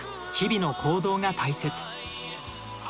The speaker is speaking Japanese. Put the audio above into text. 日々の行動が大切」。